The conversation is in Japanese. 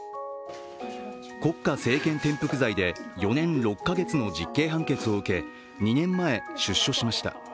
国家政権転覆罪で４年６か月の実刑判決を受け２年前、出所しました。